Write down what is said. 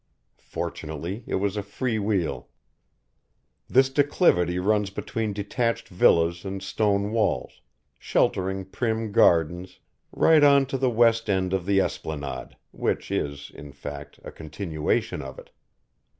Fortunately it was a free wheel. This declivity runs between detached villas and stone walls, sheltering prim gardens, right on to the west end of the esplanade, which is, in fact, a continuation of it.